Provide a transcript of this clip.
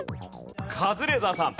カズレーザーさん。